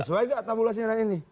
sesuai gak tabulasinya dengan ini